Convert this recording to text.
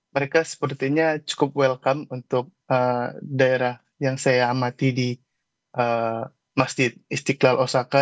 mereka sepertinya cukup welcome untuk daerah yang saya amati di masjid istiqlal osaka